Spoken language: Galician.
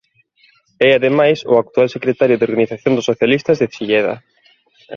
É ademais o actual secretario de organización dos socialistas de Silleda.